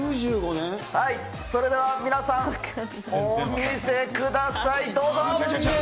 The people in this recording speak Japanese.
それでは皆さん、お見せください、どうぞ！